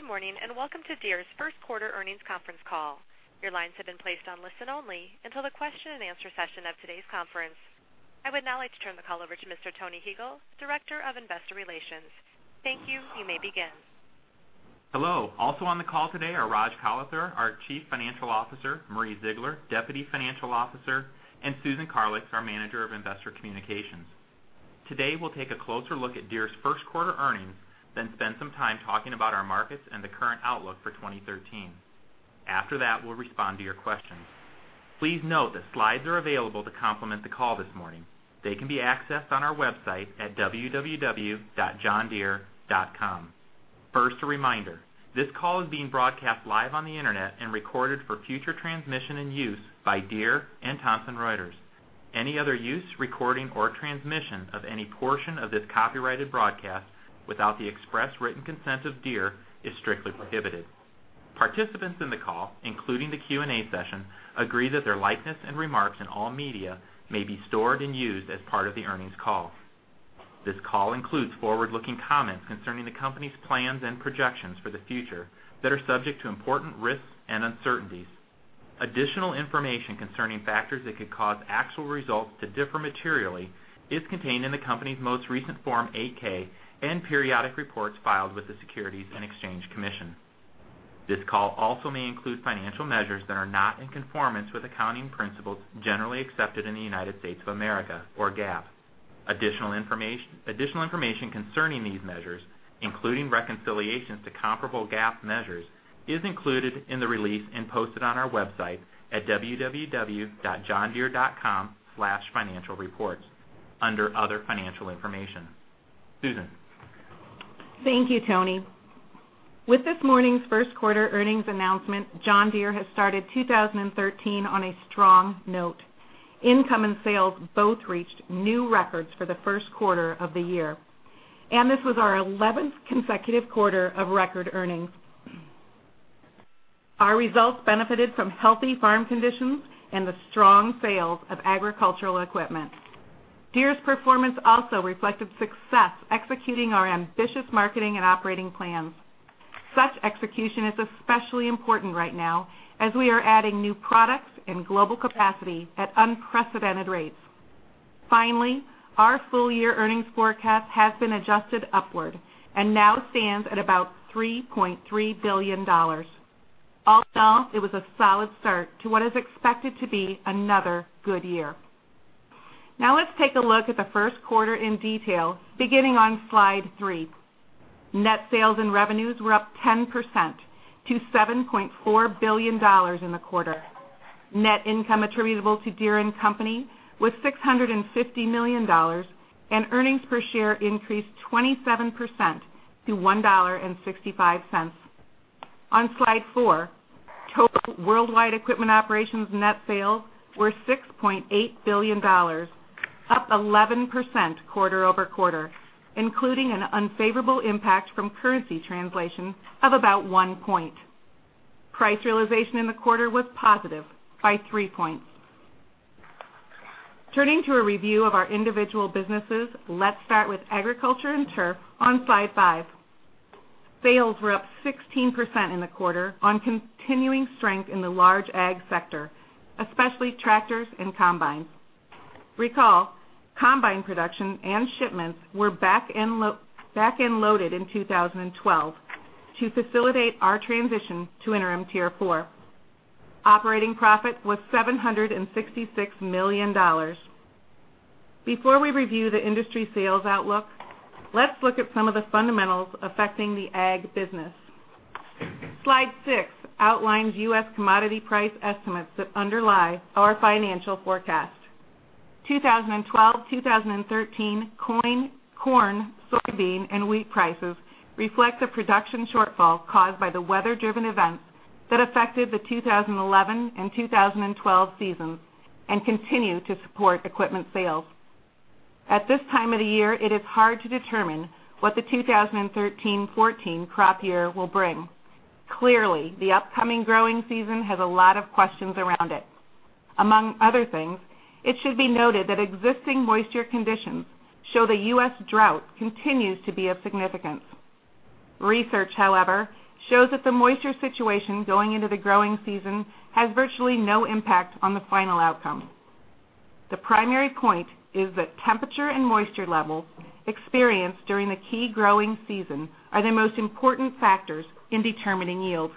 Good morning, and welcome to Deere's first quarter earnings conference call. Your lines have been placed on listen only until the question and answer session of today's conference. I would now like to turn the call over to Mr. Tony Huegel, Director of Investor Relations. Thank you. You may begin. Hello. Also on the call today are Rajesh Kalathur, our Chief Financial Officer, Marie Ziegler, Deputy Financial Officer, and Susan Karlix, our Manager of Investor Communications. Today, we'll take a closer look at Deere's first quarter earnings, spend some time talking about our markets and the current outlook for 2013. After that, we'll respond to your questions. Please note that slides are available to complement the call this morning. They can be accessed on our website at www.johndeere.com. First, a reminder, this call is being broadcast live on the internet and recorded for future transmission and use by Deere and Thomson Reuters. Any other use, recording, or transmission of any portion of this copyrighted broadcast without the express written consent of Deere is strictly prohibited. Participants in the call, including the Q&A session, agree that their likeness and remarks in all media may be stored and used as part of the earnings call. This call includes forward-looking comments concerning the company's plans and projections for the future that are subject to important risks and uncertainties. Additional information concerning factors that could cause actual results to differ materially is contained in the company's most recent Form 8-K and periodic reports filed with the Securities and Exchange Commission. This call also may include financial measures that are not in conformance with accounting principles generally accepted in the United States of America or GAAP. Additional information concerning these measures, including reconciliations to comparable GAAP measures, is included in the release and posted on our website at www.johndeere.com/financialreports under Other Financial Information. Susan. Thank you, Tony. With this morning's first quarter earnings announcement, John Deere has started 2013 on a strong note. Income and sales both reached new records for the first quarter of the year, this was our 11th consecutive quarter of record earnings. Our results benefited from healthy farm conditions and the strong sales of agricultural equipment. Deere's performance also reflected success executing our ambitious marketing and operating plans. Such execution is especially important right now as we are adding new products and global capacity at unprecedented rates. Finally, our full-year earnings forecast has been adjusted upward and now stands at about $3.3 billion. All in all, it was a solid start to what is expected to be another good year. Now let's take a look at the first quarter in detail, beginning on slide three. Net sales and revenues were up 10% to $7.4 billion in the quarter. Net income attributable to Deere & Company was $650 million, and earnings per share increased 27% to $1.65. On slide four, total worldwide equipment operations net sales were $6.8 billion, up 11% quarter-over-quarter, including an unfavorable impact from currency translation of about one point. Price realization in the quarter was positive by three points. Turning to a review of our individual businesses, let's start with Agriculture and Turf on slide five. Sales were up 16% in the quarter on continuing strength in the large ag sector, especially Tractors and Combines. Recall, Combine production and shipments were back-end loaded in 2012 to facilitate our transition to Interim Tier 4. Operating profit was $766 million. Before we review the industry sales outlook, let's look at some of the fundamentals affecting the ag business. Slide six outlines U.S. commodity price estimates that underlie our financial forecast. 2012-2013 corn, soybean, and wheat prices reflect a production shortfall caused by the weather-driven events that affected the 2011 and 2012 seasons and continue to support equipment sales. At this time of the year, it is hard to determine what the 2013-2014 crop year will bring. Clearly, the upcoming growing season has a lot of questions around it. Among other things, it should be noted that existing moisture conditions show the U.S. drought continues to be of significance. Research, however, shows that the moisture situation going into the growing season has virtually no impact on the final outcome. The primary point is that temperature and moisture levels experienced during the key growing season are the most important factors in determining yield.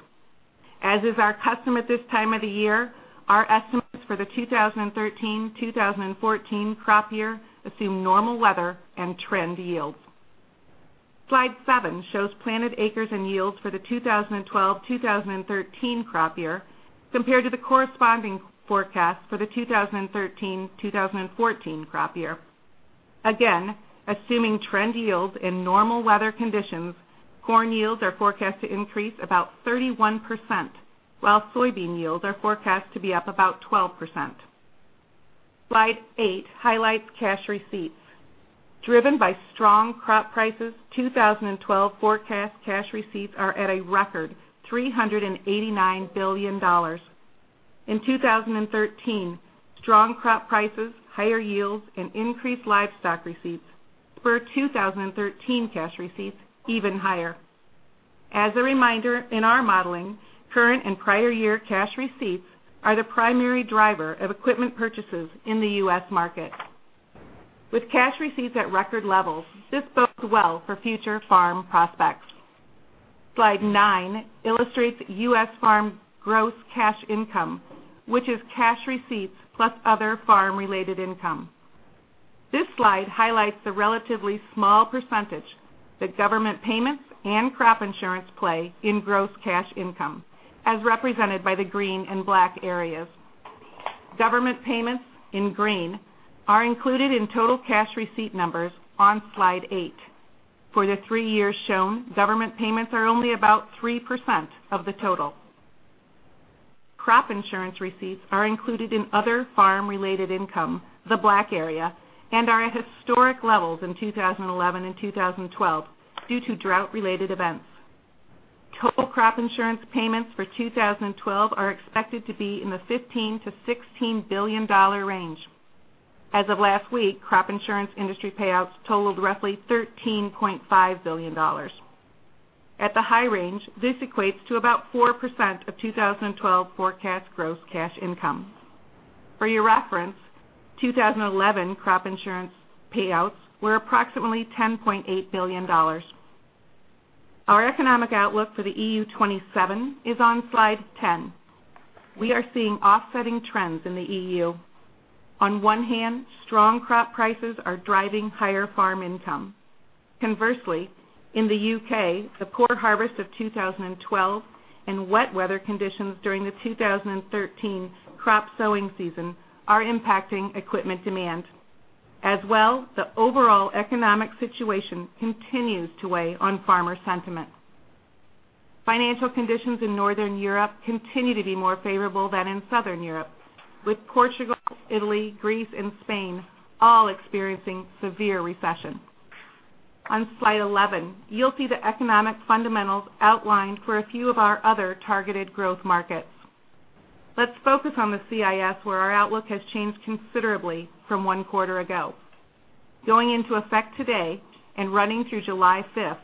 As is our custom at this time of the year, our estimates for the 2013-2014 crop year assume normal weather and trend yields. Slide seven shows planted acres and yields for the 2012-2013 crop year compared to the corresponding forecast for the 2013-2014 crop year. Again, assuming trend yields in normal weather conditions, corn yields are forecast to increase about 31%, while soybean yields are forecast to be up about 12%. Slide eight highlights cash receipts. Driven by strong crop prices, 2012 forecast cash receipts are at a record $389 billion. In 2013, strong crop prices, higher yields, and increased livestock receipts spurred 2013 cash receipts even higher. As a reminder, in our modeling, current and prior year cash receipts are the primary driver of equipment purchases in the U.S. market. With cash receipts at record levels, this bodes well for future farm prospects. Slide nine illustrates U.S. farm gross cash income, which is cash receipts plus other farm-related income. This slide highlights the relatively small percentage that government payments and crop insurance play in gross cash income, as represented by the green and black areas. Government payments, in green, are included in total cash receipt numbers on Slide eight. For the three years shown, government payments are only about 3% of the total. Crop insurance receipts are included in other farm-related income, the black area, and are at historic levels in 2011 and 2012 due to drought-related events. Total crop insurance payments for 2012 are expected to be in the $15 billion-$16 billion range. As of last week, crop insurance industry payouts totaled roughly $13.5 billion. At the high range, this equates to about 4% of 2012 forecast gross cash income. For your reference, 2011 crop insurance payouts were approximately $10.8 billion. Our economic outlook for the EU27 is on Slide 10. We are seeing offsetting trends in the EU. On one hand, strong crop prices are driving higher farm income. Conversely, in the U.K., the poor harvest of 2012 and wet weather conditions during the 2013 crop sowing season are impacting equipment demand. As well, the overall economic situation continues to weigh on farmer sentiment. Financial conditions in Northern Europe continue to be more favorable than in Southern Europe, with Portugal, Italy, Greece, and Spain all experiencing severe recession. On Slide 11, you'll see the economic fundamentals outlined for a few of our other targeted growth markets. Let's focus on the CIS, where our outlook has changed considerably from one quarter ago. Going into effect today and running through July 5th,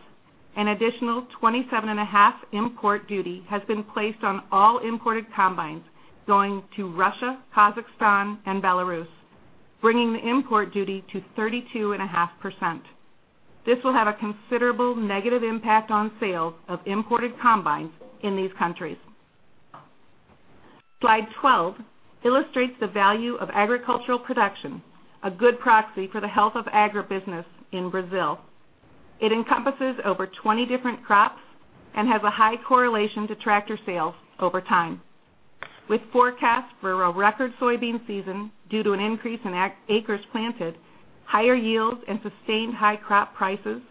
an additional 27.5% import duty has been placed on all imported combines going to Russia, Kazakhstan, and Belarus, bringing the import duty to 32.5%. This will have a considerable negative impact on sales of imported combines in these countries. Slide 12 illustrates the value of agricultural production, a good proxy for the health of agribusiness in Brazil. It encompasses over 20 different crops and has a high correlation to tractor sales over time. With forecasts for a record soybean season due to an increase in acres planted, higher yields, and sustained high crop prices,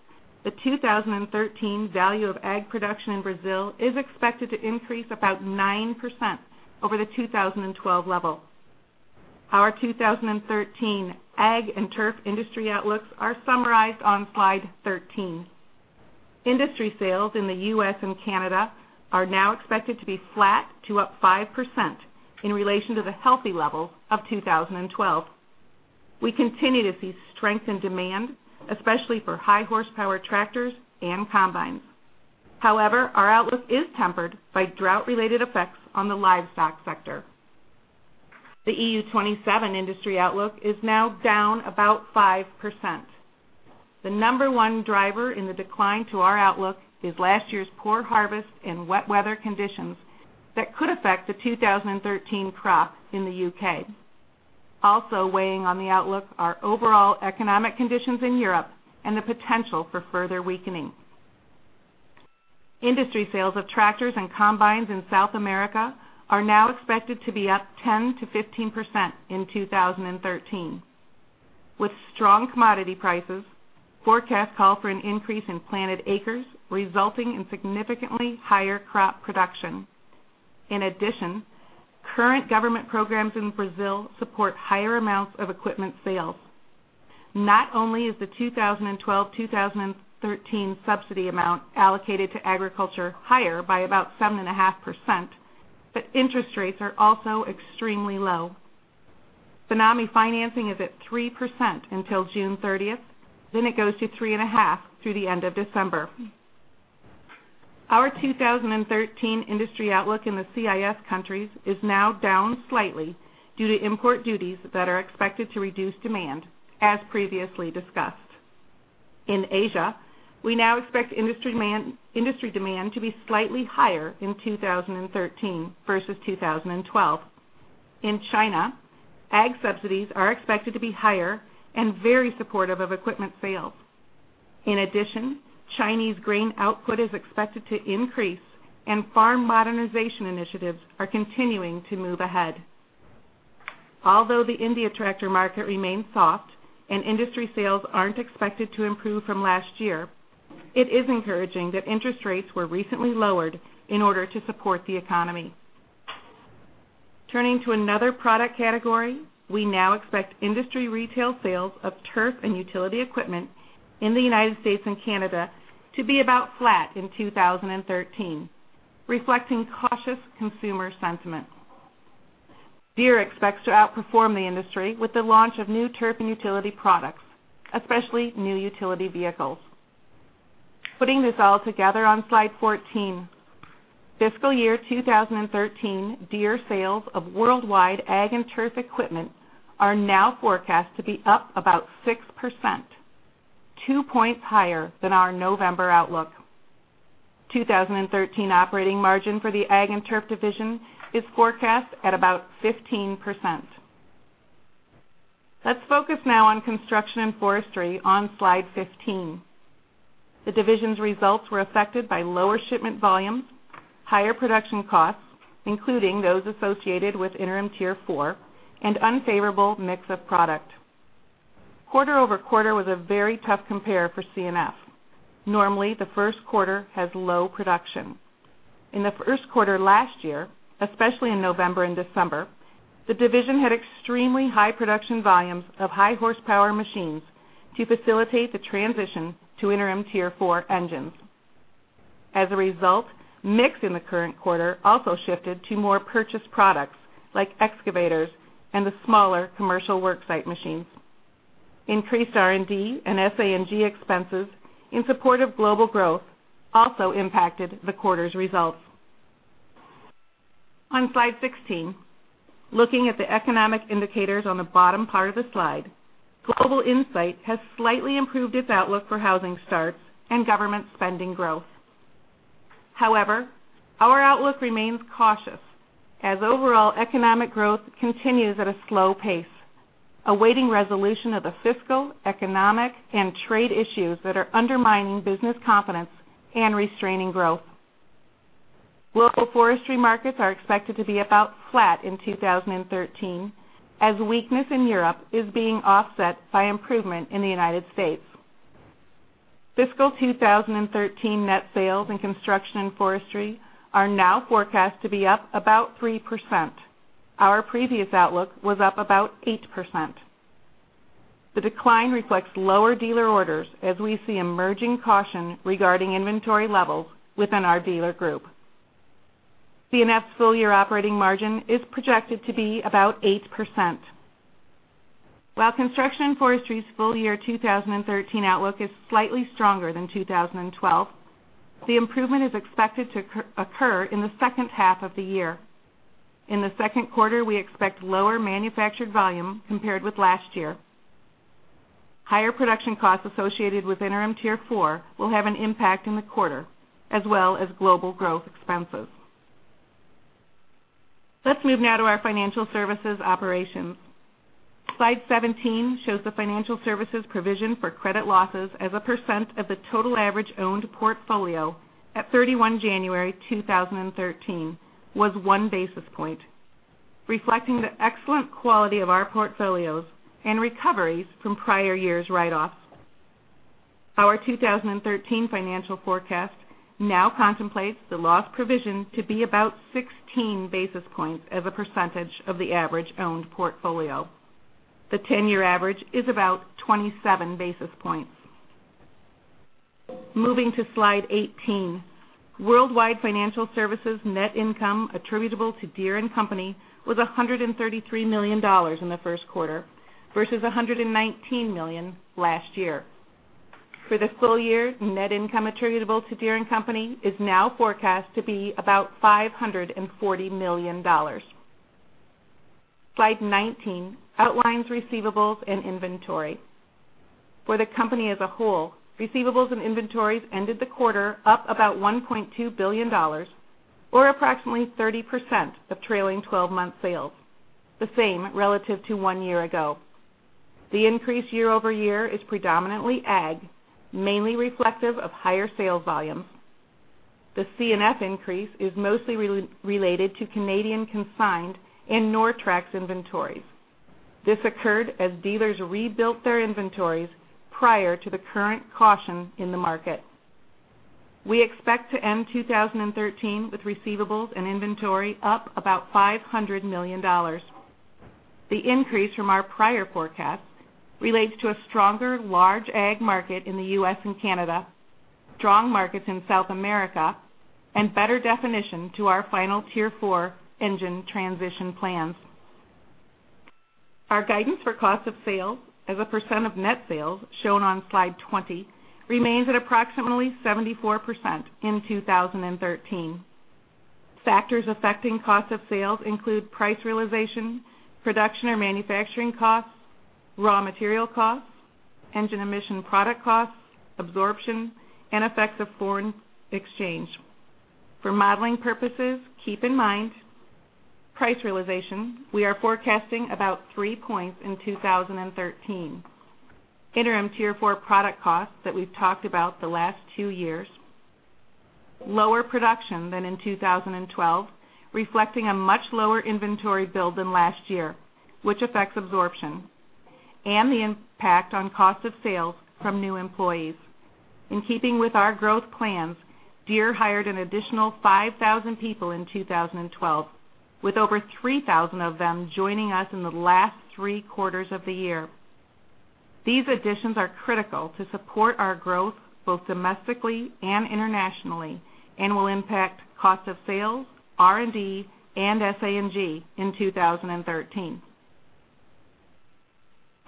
the 2013 value of Ag production in Brazil is expected to increase about 9% over the 2012 level. Our 2013 Ag and Turf industry outlooks are summarized on Slide 13. Industry sales in the U.S. and Canada are now expected to be flat to up 5% in relation to the healthy level of 2012. We continue to see strength in demand, especially for high-horsepower tractors and combines. However, our outlook is tempered by drought-related effects on the livestock sector. The EU27 industry outlook is now down about 5%. The number 1 driver in the decline to our outlook is last year's poor harvest and wet weather conditions that could affect the 2013 crop in the U.K. Also weighing on the outlook are overall economic conditions in Europe and the potential for further weakening. Industry sales of tractors and combines in South America are now expected to be up 10%-15% in 2013. With strong commodity prices, forecasts call for an increase in planted acres, resulting in significantly higher crop production. In addition, current government programs in Brazil support higher amounts of equipment sales. Not only is the 2012-2013 subsidy amount allocated to agriculture higher by about 7.5%, but interest rates are also extremely low. FINAME financing is at 3% until June 30th, then it goes to 3.5% through the end of December. Our 2013 industry outlook in the CIS countries is now down slightly due to import duties that are expected to reduce demand, as previously discussed. In Asia, we now expect industry demand to be slightly higher in 2013 versus 2012. In China, Ag subsidies are expected to be higher and very supportive of equipment sales. In addition, Chinese grain output is expected to increase, and farm modernization initiatives are continuing to move ahead. Although the India tractor market remains soft and industry sales aren't expected to improve from last year, it is encouraging that interest rates were recently lowered in order to support the economy. Turning to another product category, we now expect industry retail sales of turf and utility equipment in the U.S. and Canada to be about flat in 2013, reflecting cautious consumer sentiment. Deere expects to outperform the industry with the launch of new turf and utility products, especially new utility vehicles. Putting this all together on slide 14. Fiscal year 2013 Deere sales of worldwide Ag and Turf equipment are now forecast to be up about 6%, 2 points higher than our November outlook. 2013 operating margin for the Ag and Turf division is forecast at about 15%. Let's focus now on Construction and Forestry on slide 15. The division's results were affected by lower shipment volumes, higher production costs, including those associated with Interim Tier 4, and unfavorable mix of product. Quarter-over-quarter was a very tough compare for C&F. Normally, the first quarter has low production. In the first quarter last year, especially in November and December, the division had extremely high production volumes of high horsepower machines to facilitate the transition to Interim Tier 4 engines. As a result, mix in the current quarter also shifted to more purchased products like excavators and the smaller commercial work site machines. Increased R&D and SA&G expenses in support of global growth also impacted the quarter's results. On slide 16, looking at the economic indicators on the bottom part of the slide, Global Insight has slightly improved its outlook for housing starts and government spending growth. However, our outlook remains cautious as overall economic growth continues at a slow pace, awaiting resolution of the fiscal, economic, and trade issues that are undermining business confidence and restraining growth. Local forestry markets are expected to be about flat in 2013, as weakness in Europe is being offset by improvement in the U.S. Fiscal 2013 net sales in Construction and Forestry are now forecast to be up about 3%. Our previous outlook was up about 8%. The decline reflects lower dealer orders as we see emerging caution regarding inventory levels within our dealer group. C&F's full-year operating margin is projected to be about 8%. While Construction and Forestry's full-year 2013 outlook is slightly stronger than 2012, the improvement is expected to occur in the second half of the year. In the second quarter, we expect lower manufactured volume compared with last year. Higher production costs associated with Interim Tier 4 will have an impact in the quarter, as well as global growth expenses. Let's move now to our financial services operations. Slide 17 shows the financial services provision for credit losses as a percent of the total average owned portfolio at 31 January 2013 was 1 basis point, reflecting the excellent quality of our portfolios and recoveries from prior years' write-offs. Our 2013 financial forecast now contemplates the loss provision to be about 16 basis points as a percentage of the average owned portfolio. The 10-year average is about 27 basis points. Moving to slide 18. Worldwide financial services net income attributable to Deere & Company was $133 million in the first quarter versus $119 million last year. For the full year, net income attributable to Deere & Company is now forecast to be about $540 million. Slide 19 outlines receivables and inventory. For the company as a whole, receivables and inventories ended the quarter up about $1.2 billion, or approximately 30% of trailing 12-month sales, the same relative to one year ago. The increase year-over-year is predominantly Ag, mainly reflective of higher sales volumes. The C&F increase is mostly related to Canadian consigned and Nortrax inventories. This occurred as dealers rebuilt their inventories prior to the current caution in the market. We expect to end 2013 with receivables and inventory up about $500 million. The increase from our prior forecast relates to a stronger large ag market in the U.S. and Canada, strong markets in South America, and better definition to our Final Tier 4 engine transition plans. Our guidance for cost of sales as a percent of net sales, shown on slide 20, remains at approximately 74% in 2013. Factors affecting cost of sales include price realization, production or manufacturing costs, raw material costs, engine emission product costs, absorption, and effects of foreign exchange. For modeling purposes, keep in mind, price realization, we are forecasting about three points in 2013. Interim Tier 4 product costs that we've talked about the last two years, lower production than in 2012, reflecting a much lower inventory build than last year, which affects absorption, the impact on cost of sales from new employees. In keeping with our growth plans, Deere hired an additional 5,000 people in 2012, with over 3,000 of them joining us in the last three quarters of the year. These additions are critical to support our growth both domestically and internationally, and will impact cost of sales, R&D, and SA&G in 2013.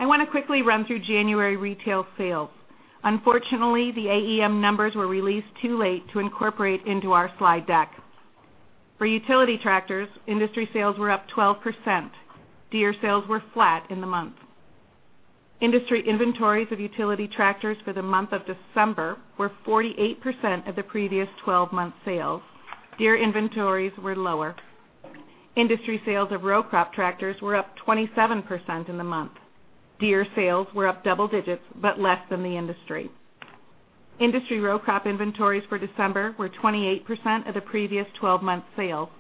I want to quickly run through January retail sales. Unfortunately, the AEM numbers were released too late to incorporate into our slide deck. For utility tractors, industry sales were up 12%. Deere sales were flat in the month. Industry inventories of utility tractors for the month of December were 48% of the previous 12-month sales. Deere inventories were lower. Industry sales of row crop tractors were up 27% in the month. Deere sales were up double digits, but less than the industry. Industry row crop inventories for December were 28% of the previous 12-month sales.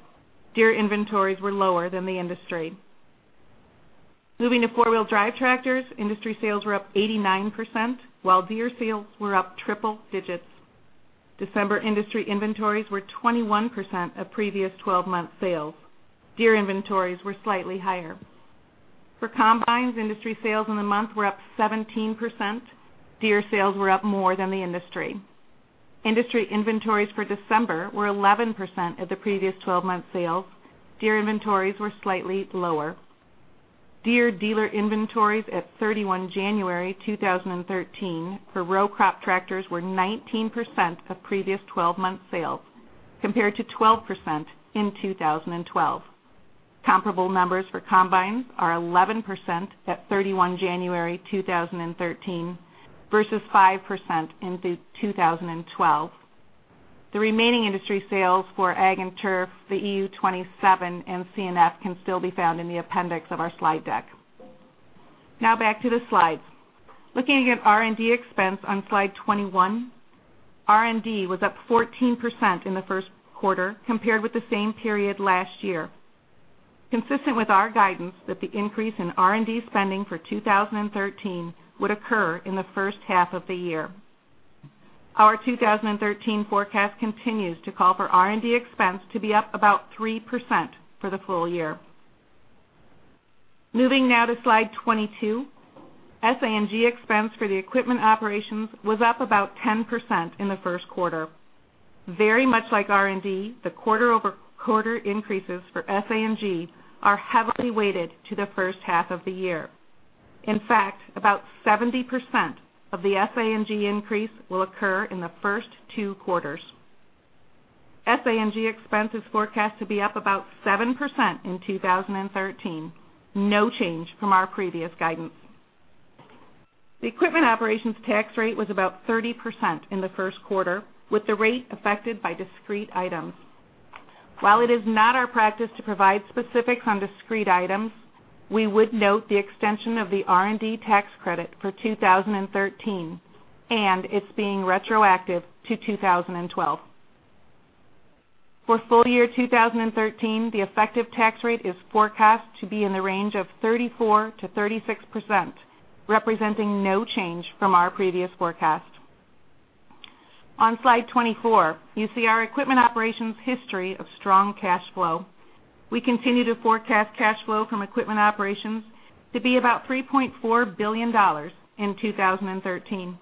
Deere inventories were lower than the industry. Moving to four-wheel drive tractors, industry sales were up 89%, while Deere sales were up triple digits. December industry inventories were 21% of previous 12-month sales. Deere inventories were slightly higher. For Combines, industry sales in the month were up 17%. Deere sales were up more than the industry. Industry inventories for December were 11% of the previous 12-month sales. Deere inventories were slightly lower. Deere dealer inventories at 31 January 2013 for row crop tractors were 19% of previous 12-month sales, compared to 12% in 2012. Comparable numbers for Combines are 11% at 31 January 2013 versus 5% in 2012. The remaining industry sales for Ag and Turf, the EU 27 and C&F can still be found in the appendix of our slide deck. Now back to the slides. Looking at R&D expense on slide 21, R&D was up 14% in the first quarter compared with the same period last year. Consistent with our guidance that the increase in R&D spending for 2013 would occur in the first half of the year. Our 2013 forecast continues to call for R&D expense to be up about 3% for the full year. Moving now to slide 22. SA&G expense for the equipment operations was up about 10% in the first quarter. Very much like R&D, the quarter-over-quarter increases for SA&G are heavily weighted to the first half of the year. In fact, about 70% of the SA&G increase will occur in the first two quarters. SA&G expense is forecast to be up about 7% in 2013, no change from our previous guidance. The equipment operations tax rate was about 30% in the first quarter, with the rate affected by discrete items. While it is not our practice to provide specifics on discrete items, we would note the extension of the R&D tax credit for 2013 and it's being retroactive to 2012. For full year 2013, the effective tax rate is forecast to be in the range of 34%-36%, representing no change from our previous forecast. On slide 24, you see our equipment operations history of strong cash flow. We continue to forecast cash flow from equipment operations to be about $3.4 billion in 2013.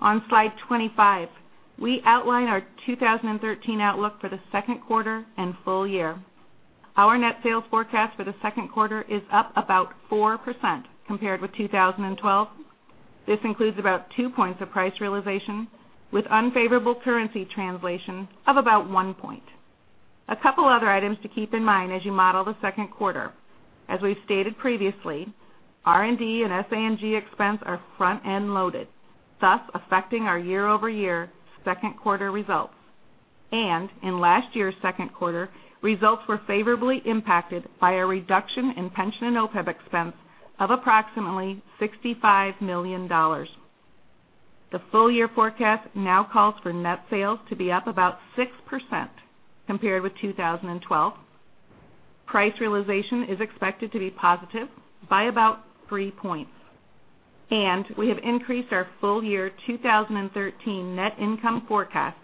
On slide 25, we outline our 2013 outlook for the second quarter and full year. Our net sales forecast for the second quarter is up about 4% compared with 2012. This includes about two points of price realization with unfavorable currency translation of about one point. A couple other items to keep in mind as you model the second quarter. As we've stated previously, R&D and SA&G expense are front-end loaded, thus affecting our year-over-year second quarter results. In last year's second quarter, results were favorably impacted by a reduction in pension and OPEB expense of approximately $65 million. The full year forecast now calls for net sales to be up about 6% compared with 2012. Price realization is expected to be positive by about three points. We have increased our full year 2013 net income forecast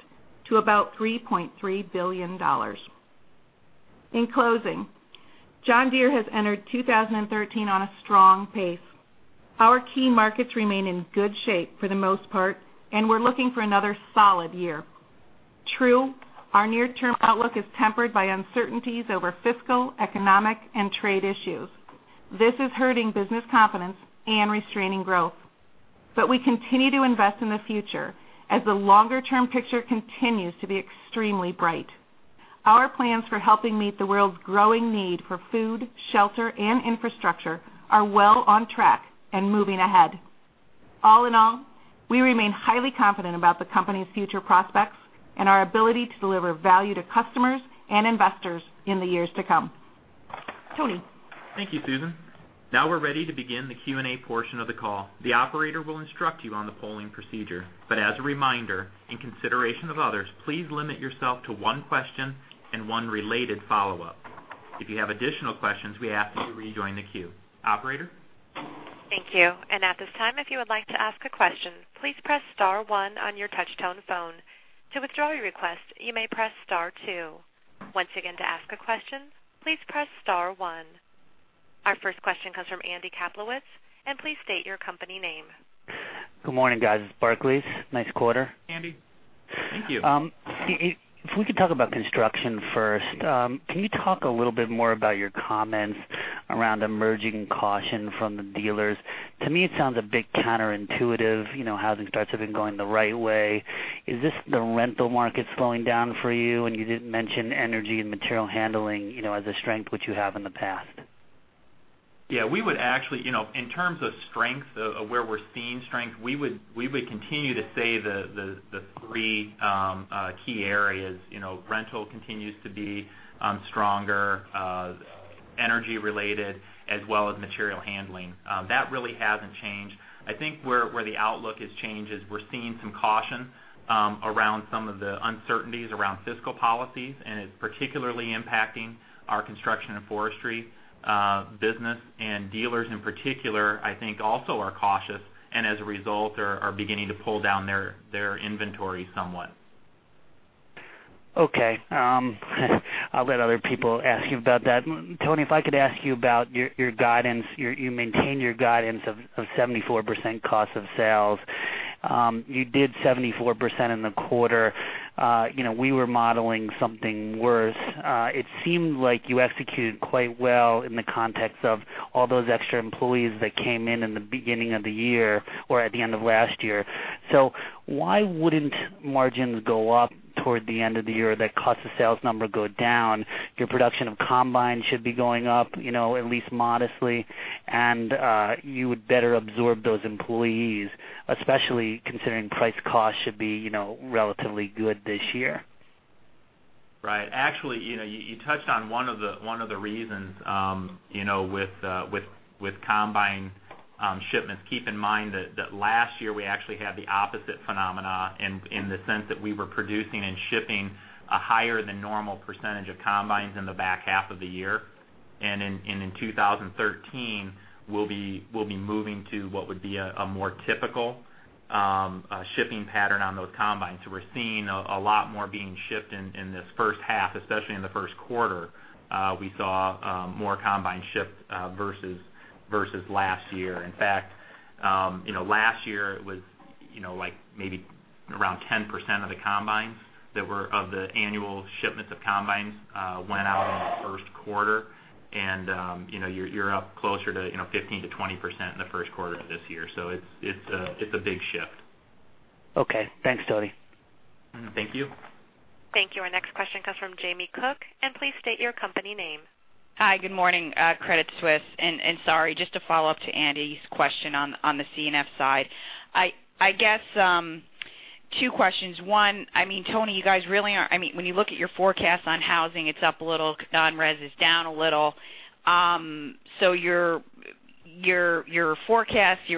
to about $3.3 billion. In closing, John Deere has entered 2013 on a strong pace. Our key markets remain in good shape for the most part. We're looking for another solid year. True, our near-term outlook is tempered by uncertainties over fiscal, economic, and trade issues. This is hurting business confidence and restraining growth. We continue to invest in the future, as the longer-term picture continues to be extremely bright. Our plans for helping meet the world's growing need for food, shelter, and infrastructure are well on track and moving ahead. All in all, we remain highly confident about the company's future prospects and our ability to deliver value to customers and investors in the years to come. Tony? Thank you, Susan. Now we're ready to begin the Q&A portion of the call. The operator will instruct you on the polling procedure, but as a reminder, in consideration of others, please limit yourself to one question and one related follow-up. If you have additional questions, we ask that you rejoin the queue. Operator? Thank you. At this time, if you would like to ask a question, please press star one on your touch-tone phone. To withdraw your request, you may press star two. Once again, to ask a question, please press star one. Our first question comes from Andrew Kaplowitz, please state your company name. Good morning, guys. It's Barclays. Nice quarter. Andy, thank you. If we could talk about construction first. Can you talk a little bit more about your comments around emerging caution from the dealers? To me, it sounds a bit counterintuitive. Housing starts have been going the right way. Is this the rental market slowing down for you? You did mention energy and material handling, as a strength which you have in the past. Yeah. In terms of strength, of where we're seeing strength, we would continue to say the three key areas. Rental continues to be stronger, energy-related, as well as material handling. That really hasn't changed. I think where the outlook has changed is we're seeing some caution around some of the uncertainties around fiscal policies, and it's particularly impacting our Construction and Forestry business. Dealers in particular, I think, also are cautious and as a result, are beginning to pull down their inventory somewhat. Okay. I'll let other people ask you about that. Tony, if I could ask you about your guidance. You maintained your guidance of 74% cost of sales. You did 74% in the quarter. We were modeling something worse. It seemed like you executed quite well in the context of all those extra employees that came in in the beginning of the year or at the end of last year. Why wouldn't margins go up toward the end of the year, that cost of sales number go down? Your production of Combines should be going up, at least modestly. You would better absorb those employees, especially considering price cost should be relatively good this year. Right. Actually, you touched on one of the reasons with Combine shipments. Keep in mind that last year we actually had the opposite phenomena in the sense that we were producing and shipping a higher than normal percentage of Combines in the back half of the year. In 2013, we'll be moving to what would be a more typical shipping pattern on those Combines. We're seeing a lot more being shipped in this first half, especially in the first quarter. We saw more Combines shipped versus last year. In fact, last year it was maybe around 10% of the Combines that were of the annual shipments of Combines went out in the first quarter. You're up closer to 15%-20% in the first quarter of this year. It's a big shift. Okay, thanks, Tony. Thank you. Thank you. Our next question comes from Jamie Cook. Please state your company name. Hi, good morning. Credit Suisse. Sorry, just to follow up to Andy's question on the C&F side. I guess two questions. One, Tony, when you look at your forecast on housing, it's up a little. Non-res is down a little. Your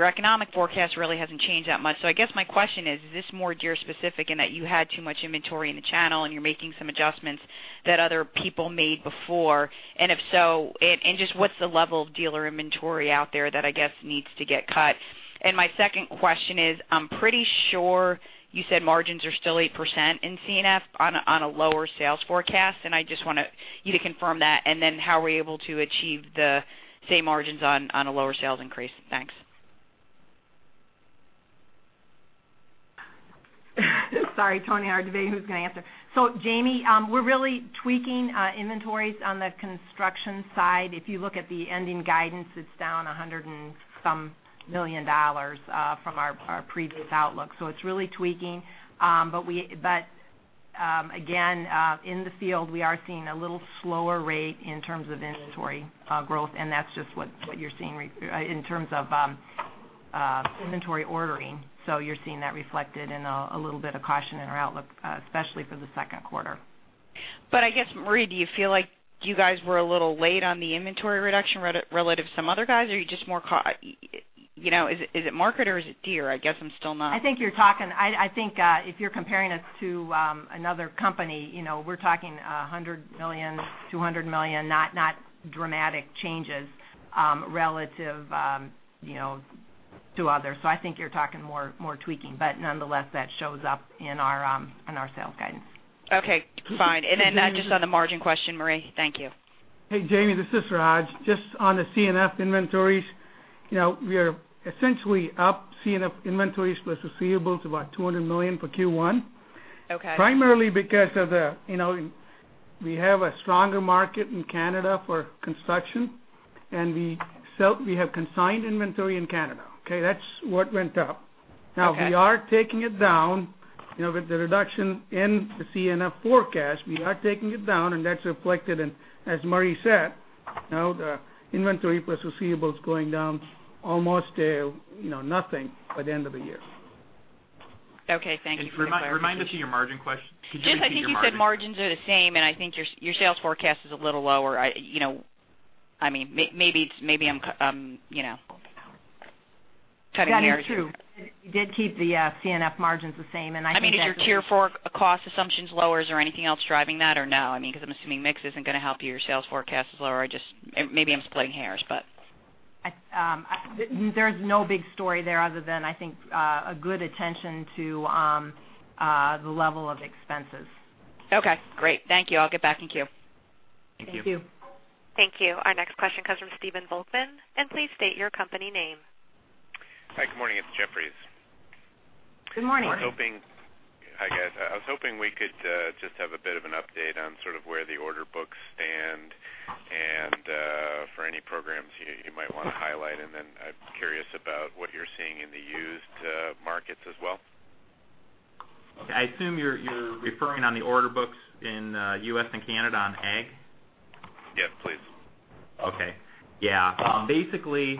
economic forecast really hasn't changed that much. I guess my question is this more Deere specific in that you had too much inventory in the channel and you're making some adjustments that other people made before? If so, just what's the level of dealer inventory out there that I guess needs to get cut? My second question is, I'm pretty sure you said margins are still 8% in C&F on a lower sales forecast, I just want you to confirm that. How are we able to achieve the same margins on a lower sales increase? Thanks. Sorry, Tony, our debate who's going to answer. Jamie, we're really tweaking inventories on the construction side. If you look at the ending guidance, it's down $100 and some million dollars from our previous outlook. It's really tweaking. Again, in the field, we are seeing a little slower rate in terms of inventory growth, that's just what you're seeing in terms of inventory ordering. You're seeing that reflected in a little bit of caution in our outlook, especially for the second quarter. I guess, Marie, do you feel like you guys were a little late on the inventory reduction relative to some other guys? Is it market or is it Deere? I think if you're comparing us to another company, we're talking $100 million, $200 million, not dramatic changes relative to others. I think you're talking more tweaking, but nonetheless, that shows up in our sales guidance. Okay, fine. Then just on the margin question, Marie. Thank you. Hey, Jamie, this is Raj. Just on the C&F inventories, we are essentially up C&F inventories plus receivables about $200 million for Q1. Okay. Primarily because of the, we have a stronger market in Canada for construction, and we have consigned inventory in Canada. Okay? That's what went up. Okay. We are taking it down with the reduction in the C&F forecast. We are taking it down, and that's reflected in, as Marie said, the inventory plus receivables going down almost nothing by the end of the year. Thank you for the clarity. Remind us of your margin question. Could you repeat the margin? Just I think you said margins are the same. I think your sales forecast is a little lower. Maybe I'm cutting the narrative. That is true. We did keep the C&F margins the same. I think that's what you're seeing. Is your Tier 4 cost assumptions lower? Is there anything else driving that or no? I'm assuming mix isn't going to help you. Your sales forecast is lower. Maybe I'm splitting hairs. There's no big story there other than, I think, a good attention to the level of expenses. Okay, great. Thank you. I'll get back in queue. Thank you. Thank you. Thank you. Our next question comes from Stephen Volkmann. Please state your company name. Hi, good morning. It's Jefferies. Good morning. Hi, guys. I was hoping we could just have a bit of an update on sort of where the order books stand and for any programs you might want to highlight. Then I'm curious about what you're seeing in the used markets as well. Okay. I assume you're referring on the order books in U.S. and Canada on ag? Yes, please. Basically,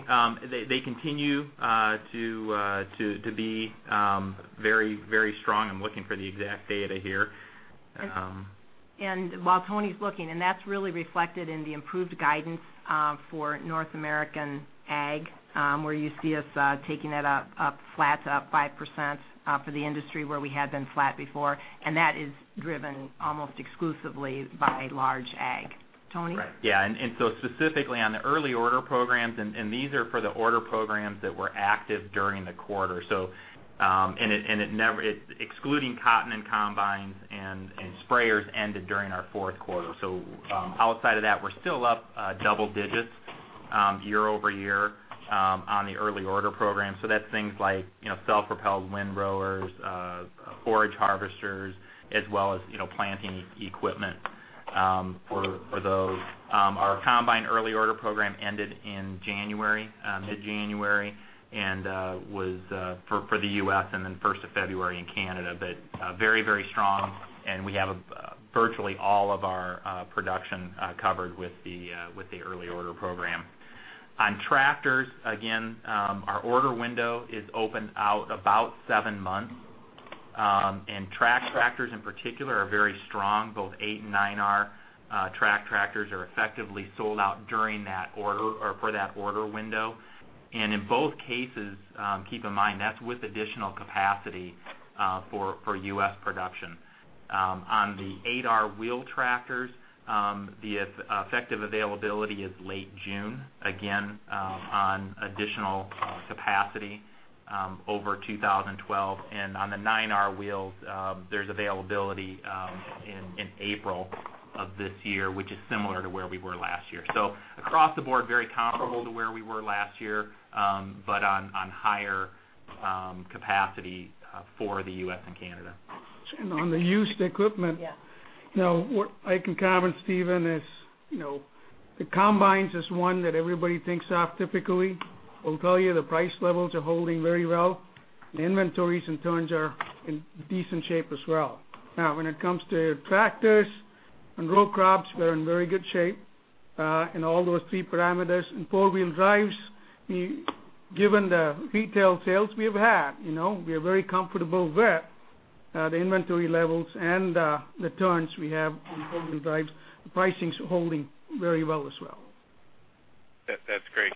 they continue to be very strong. I'm looking for the exact data here. While Tony's looking, that's really reflected in the improved guidance for North American Ag, where you see us taking it up flat to up 5% for the industry where we had been flat before. That is driven almost exclusively by large Ag. Tony? Specifically on the early order programs, these are for the order programs that were active during the quarter. Excluding cotton and Combines and Sprayers ended during our fourth quarter. Outside of that, we're still up double digits year-over-year on the early order program. That's things like self-propelled wind rowers, forage harvesters, as well as planting equipment for those. Our Combine early order program ended in January, mid-January, and was for the U.S. and then 1st of February in Canada, very strong, we have virtually all of our production covered with the early order program. On Tractors, again, our order window is open out about seven months. Track Tractors in particular are very strong. Both 8R and 9R Track Tractors are effectively sold out during that order or for that order window. In both cases, keep in mind, that's with additional capacity for U.S. production. On the 8R wheel Tractors, the effective availability is late June, again, on additional capacity over 2012. On the 9R wheels, there's availability in April of this year, which is similar to where we were last year. Across the board, very comparable to where we were last year, but on higher capacity for the U.S. and Canada. On the used equipment- Yeah Now, what I can comment, Stephen, is the Combines is one that everybody thinks of typically. I will tell you the price levels are holding very well. The inventories and turns are in decent shape as well. Now, when it comes to Tractors and row crops, we're in very good shape, in all those three parameters. In four-wheel drives, given the retail sales we have had, we are very comfortable with the inventory levels and the turns we have on four-wheel drives. The pricing's holding very well as well. That's great.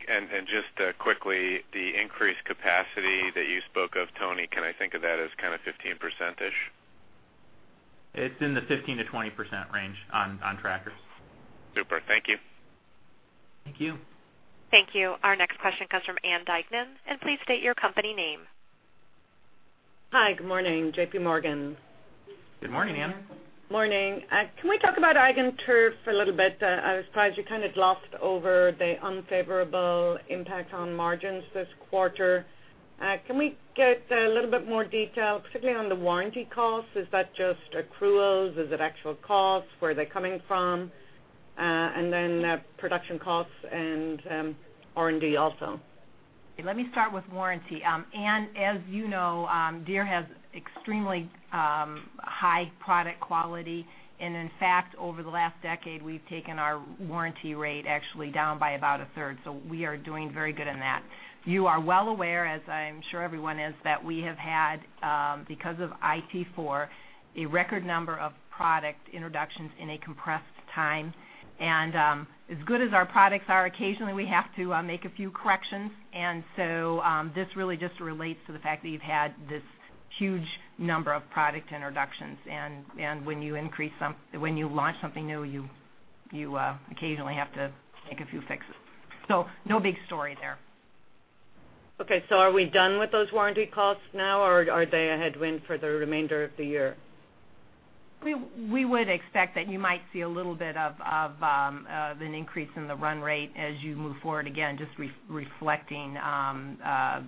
Just quickly, the increased capacity that you spoke of, Tony, can I think of that as kind of 15%-ish? It's in the 15%-20% range on tractors. Super. Thank you. Thank you. Thank you. Our next question comes from Ann Duignan. Please state your company name. Hi, good morning. J.P. Morgan. Good morning, Ann. Morning. Can we talk about Ag and Turf a little bit? I was surprised you kind of glossed over the unfavorable impact on margins this quarter. Can we get a little bit more detail, particularly on the warranty costs? Is that just accruals? Is it actual costs? Where are they coming from? Then production costs and R&D also. Let me start with warranty. Ann, as you know, Deere has extremely high product quality, and in fact, over the last decade, we've taken our warranty rate actually down by about a third. We are doing very good in that. You are well aware, as I'm sure everyone is, that we have had, because of IT4, a record number of product introductions in a compressed time. As good as our products are, occasionally we have to make a few corrections. This really just relates to the fact that you've had this huge number of product introductions, and when you launch something new, you occasionally have to make a few fixes. No big story there. Okay, are we done with those warranty costs now, or are they a headwind for the remainder of the year? We would expect that you might see a little bit of an increase in the run rate as you move forward. Again, just reflecting the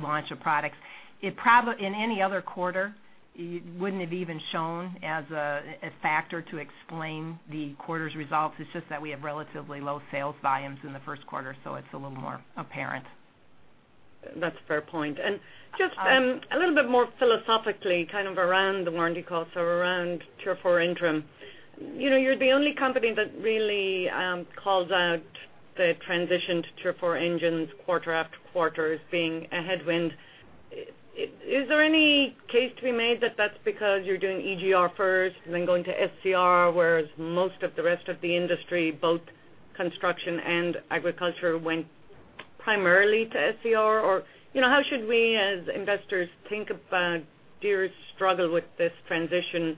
launch of products. In any other quarter, it wouldn't have even shown as a factor to explain the quarter's results. It's just that we have relatively low sales volumes in the first quarter, it's a little more apparent. That's a fair point. Just a little bit more philosophically, kind of around the warranty costs or around Tier 4 Interim. You're the only company that really calls out the transition to Tier 4 engines quarter after quarter as being a headwind. Is there any case to be made that that's because you're doing EGR first and then going to SCR, whereas most of the rest of the industry, both construction and agriculture, went primarily to SCR? How should we, as investors, think about Deere's struggle with this transition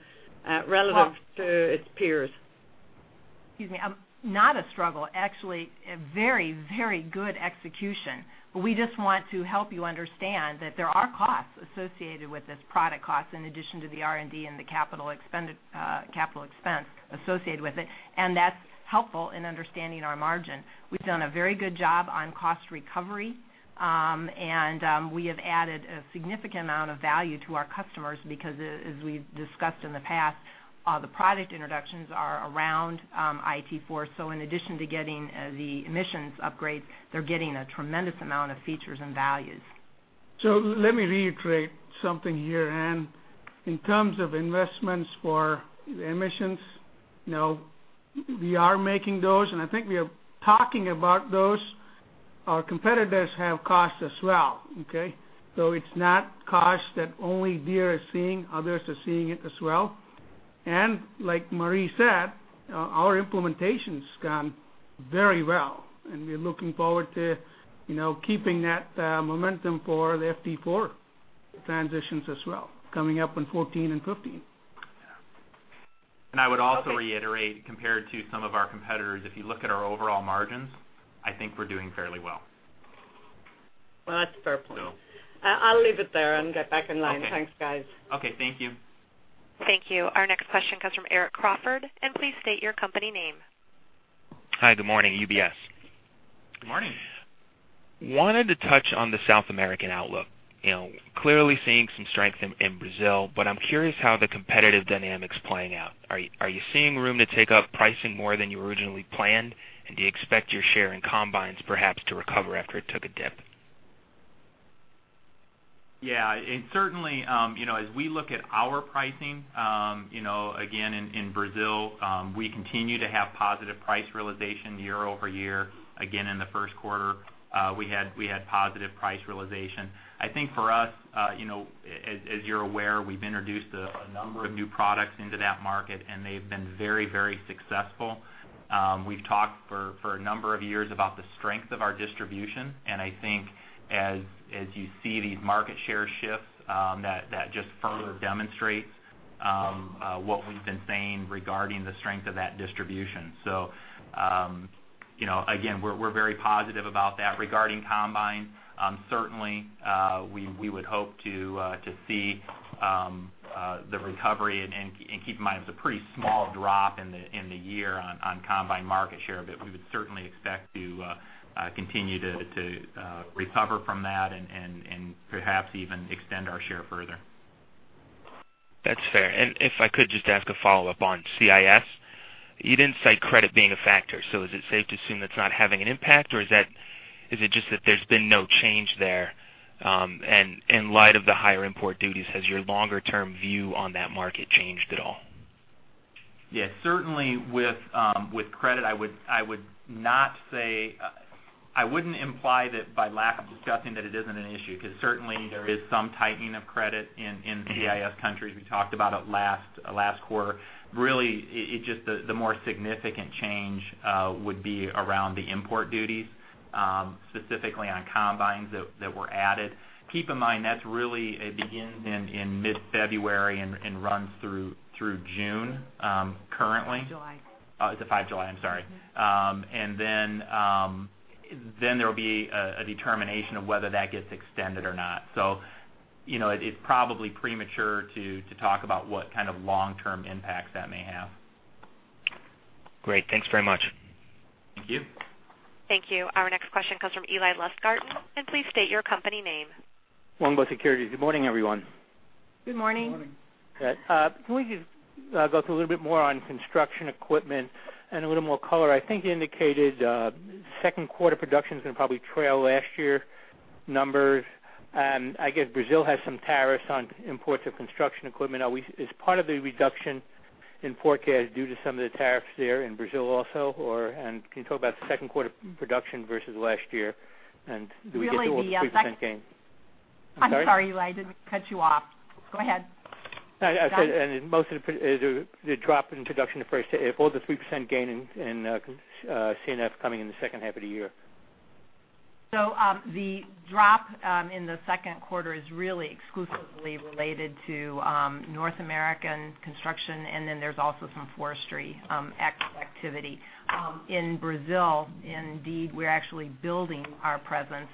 relative to its peers? Excuse me, not a struggle, actually, a very good execution. We just want to help you understand that there are costs associated with this product, costs in addition to the R&D and the capital expense associated with it, and that's helpful in understanding our margin. We've done a very good job on cost recovery. We have added a significant amount of value to our customers because as we've discussed in the past, the product introductions are around IT4. In addition to getting the emissions upgrades, they're getting a tremendous amount of features and values. Let me reiterate something here, Ann. In terms of investments for emissions, we are making those, and I think we are talking about those. Our competitors have costs as well. Okay. It's not costs that only Deere is seeing. Others are seeing it as well. Like Marie said, our implementation's gone very well, and we're looking forward to keeping that momentum for the FT4 transitions as well, coming up in 2014 and 2015. Yeah. I would also reiterate, compared to some of our competitors, if you look at our overall margins, I think we're doing fairly well. Well, that's fair point. So- I'll leave it there and get back in line. Okay. Thanks, guys. Okay, thank you. Thank you. Our next question comes from Erik Crawford. Please state your company name. Hi, good morning, UBS. Good morning. Wanted to touch on the South American outlook. Clearly seeing some strength in Brazil, but I'm curious how the competitive dynamic's playing out. Are you seeing room to take up pricing more than you originally planned? Do you expect your share in Combines perhaps to recover after it took a dip? Yeah. Certainly, as we look at our pricing, again, in Brazil, we continue to have positive price realization year-over-year. Again, in the first quarter, we had positive price realization. I think for us, as you're aware, we've introduced a number of new products into that market, and they've been very successful. We've talked for a number of years about the strength of our distribution, and I think as you see these market share shifts, that just further demonstrates what we've been saying regarding the strength of that distribution. Again, we're very positive about that. Regarding Combines, certainly we would hope to see the recovery. Keep in mind, it's a pretty small drop in the year on Combines market share, but we would certainly expect to continue to recover from that and perhaps even extend our share further. That's fair. If I could just ask a follow-up on CIS. You didn't cite credit being a factor, so is it safe to assume that's not having an impact, or is it just that there's been no change there? In light of the higher import duties, has your longer-term view on that market changed at all? Yeah, certainly with credit, I wouldn't imply that by lack of discussing that it isn't an issue, because certainly there is some tightening of credit in CIS countries. We talked about it last quarter. Really, just the more significant change would be around the import duties, specifically on combines that were added. Keep in mind, that really it begins in mid-February and runs through June, currently. Five July. It's five July, I'm sorry. Yeah. Then there'll be a determination of whether that gets extended or not. It's probably premature to talk about what kind of long-term impacts that may have. Great. Thanks very much. Thank you. Thank you. Our next question comes from Eli Lustgarten, and please state your company name. Longbow Securities. Good morning, everyone. Good morning. Good morning. Can we just go through a little bit more on construction equipment and a little more color? I think you indicated second quarter production's going to probably trail last year numbers. I guess Brazil has some tariffs on imports of construction equipment. Is part of the reduction in forecast due to some of the tariffs there in Brazil also, or can you talk about the second quarter production versus last year? Do we get to what the 3% gain- I'm sorry, Eli, I didn't cut you off. Go ahead. No. I said, most of the drop in production in the first half, will the 3% gain in C&F coming in the second half of the year? The drop in the second quarter is really exclusively related to North American construction, and then there's also some forestry activity. In Brazil, indeed, we're actually building our presence.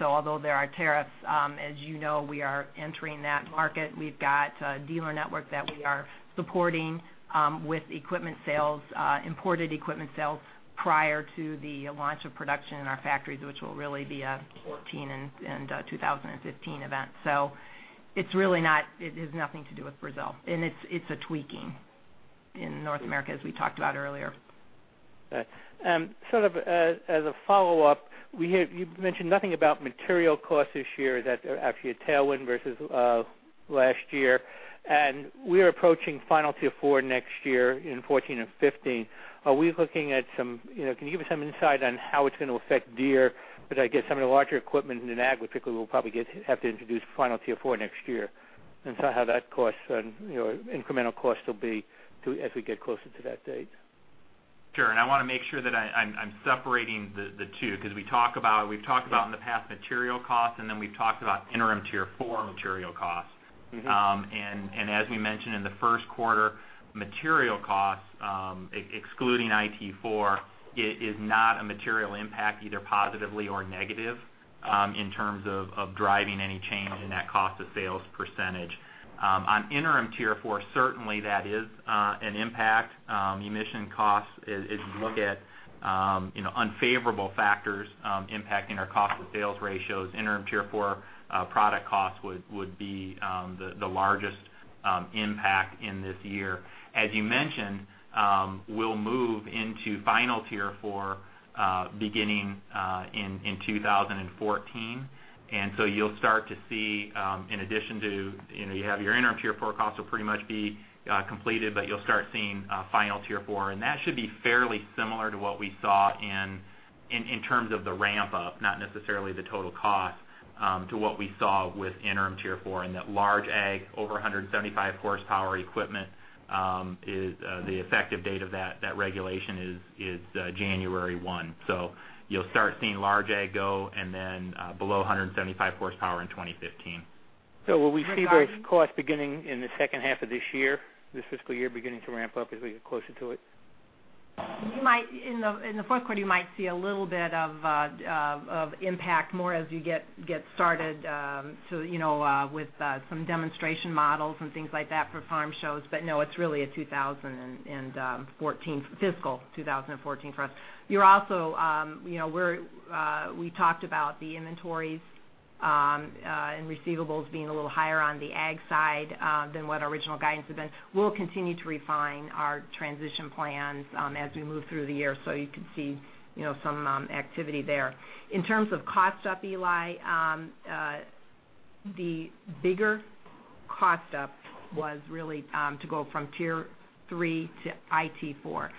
Although there are tariffs, as you know, we are entering that market. We've got a dealer network that we are supporting with imported equipment sales prior to the launch of production in our factories, which will really be a 2014 and 2015 event. It's really has nothing to do with Brazil. It's a tweaking in North America, as we talked about earlier. Okay. Sort of as a follow-up, you've mentioned nothing about material costs this year that are actually a tailwind versus last year. We're approaching Final Tier 4 next year in 2014 and 2015. Can you give us some insight on how it's going to affect Deere? I guess some of the larger equipment in agriculture will probably have to introduce Final Tier 4 next year, how that incremental cost will be as we get closer to that date. Sure. I want to make sure that I'm separating the two, because we've talked about in the past material costs, and then we've talked about Interim Tier 4 material costs. As we mentioned in the first quarter, material costs, excluding IT4, is not a material impact, either positively or negative, in terms of driving any change in that cost of sales percentage. On Interim Tier 4, certainly that is an impact. Emission costs, if you look at unfavorable factors impacting our cost of sales ratios, Interim Tier 4 product costs would be the largest impact in this year. As you mentioned, we'll move into Final Tier 4 beginning in 2014. You'll start to see, in addition to your Interim Tier 4 costs will pretty much be completed, but you'll start seeing Final Tier 4, and that should be fairly similar to what we saw in terms of the ramp-up, not necessarily the total cost, to what we saw with Interim Tier 4 in that large Ag, over 175 horsepower equipment. The effective date of that regulation is January 1. You'll start seeing large Ag go, and then below 175 horsepower in 2015. Will we see those costs beginning in the second half of this year, this fiscal year, beginning to ramp up as we get closer to it? You might, in the fourth quarter, you might see a little bit of impact more as you get started with some demonstration models and things like that for farm shows. No, it's really a 2014, fiscal 2014 for us. We talked about the inventories and receivables being a little higher on the Ag side than what our original guidance had been. We'll continue to refine our transition plans as we move through the year, so you could see some activity there. In terms of cost up, Eli, the bigger cost up was really to go from Tier 3 to IT4.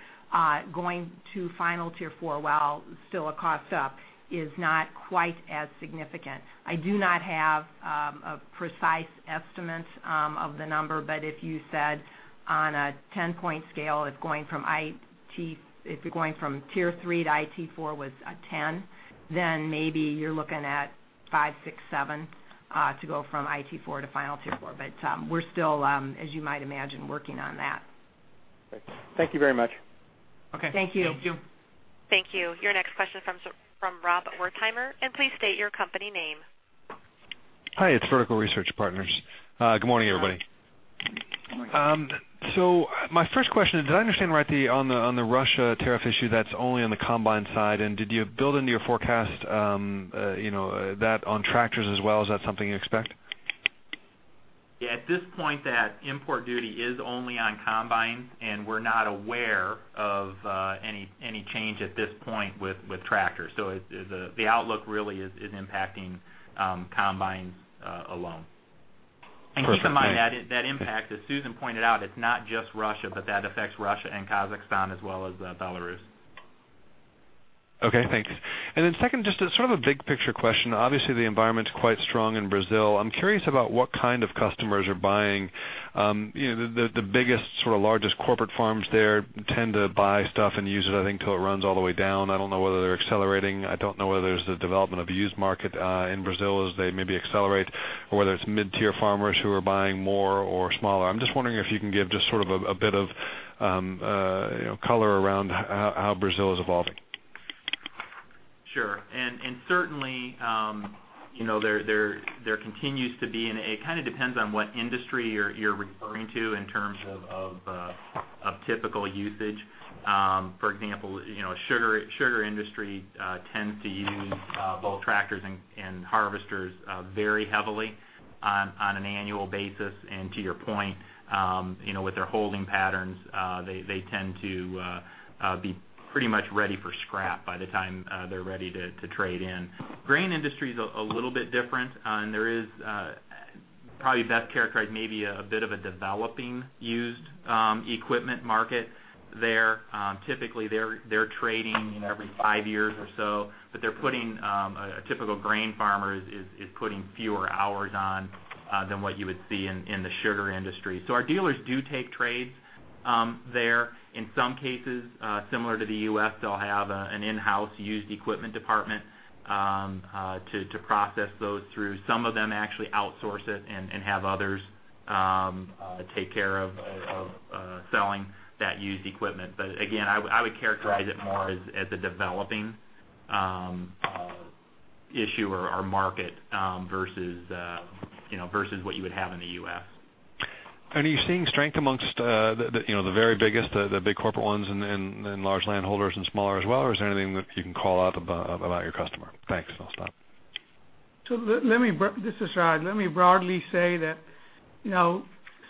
Going to Final Tier 4, while still a cost up, is not quite as significant. I do not have a precise estimate of the number, if you said on a 10-point scale, if you're going from Tier 3 to IT4 was a 10, then maybe you're looking at five, six, seven to go from IT4 to Final Tier 4. We're still, as you might imagine, working on that. Great. Thank you very much. Okay. Thank you. Thank you. Thank you. Your next question from Rob Wertheimer, please state your company name. Hi, it's Vertical Research Partners. Good morning, everybody. Good morning. My first question is, did I understand right, on the Russia tariff issue, that's only on the Combines side? Did you build into your forecast that on Tractors as well? Is that something you expect? At this point, that import duty is only on Combines, we're not aware of any change at this point with Tractors. The outlook really is impacting Combines alone. Perfect. Thank you. Keep in mind, that impact, as Susan pointed out, it's not just Russia, but that affects Russia and Kazakhstan as well as Belarus. Okay, thanks. Second, just sort of a big-picture question. Obviously, the environment's quite strong in Brazil. I'm curious about what kind of customers are buying. The biggest, largest corporate farms there tend to buy stuff and use it, I think, till it runs all the way down. I don't know whether they're accelerating. I don't know whether there's the development of a used market in Brazil as they maybe accelerate, or whether it's mid-tier farmers who are buying more or smaller. I'm just wondering if you can give just sort of a bit of color around how Brazil is evolving. Sure. Certainly, there continues to be, and it kind of depends on what industry you're referring to in terms of typical usage. For example, sugar industry tends to use both tractors and harvesters very heavily on an annual basis. To your point, with their holding patterns, they tend to be pretty much ready for scrap by the time they're ready to trade in. Grain industry's a little bit different, and there is probably best characterized maybe a bit of a developing used equipment market there. Typically, they're trading every five years or so, but a typical grain farmer is putting fewer hours on than what you would see in the sugar industry. Our dealers do take trades there. In some cases, similar to the U.S., they'll have an in-house used equipment department to process those through. Some of them actually outsource it and have others take care of selling that used equipment. Again, I would characterize it more as a developing issue or market versus what you would have in the U.S. Are you seeing strength amongst the very biggest, the big corporate ones and large landholders and smaller as well, or is there anything that you can call out about your customer? Thanks. I'll stop. This is Raj. Let me broadly say that